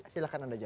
silahkan anda jawab